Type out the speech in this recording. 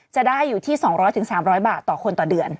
จะได้อยู่ที่๒๐๐๓๐๐บาทต่อคนต่อเดือน